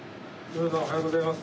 木村さんおはようございます。